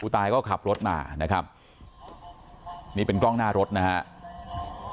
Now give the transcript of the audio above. ตายก็ขับรถมานะครับนี่เป็นกล้องหน้ารถนะครับ